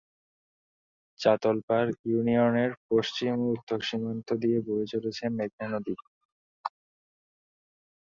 চাতলপাড় ইউনিয়নের পশ্চিম ও উত্তর সীমান্ত দিয়ে বয়ে চলেছে মেঘনা নদী।